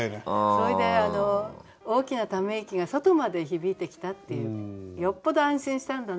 それで「大きなため息が外まで響いてきた」っていうよっぽど安心したんだなっていう歌ですよね。